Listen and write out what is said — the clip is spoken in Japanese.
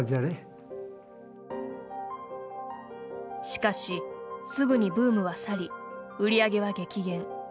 しかし、すぐにブームは去り売り上げは激減。